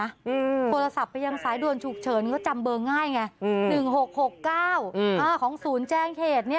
อะไรอย่างนี้